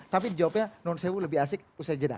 tapi jawabannya non sewuh lebih asik usai jeda